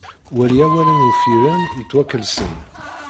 Wali awalen uffiren yettwakelsen.